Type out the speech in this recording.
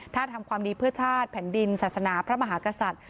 ถ้าทำความดีเพื่อชาติแผ่นดินศาสนาพระมหากษัตริย์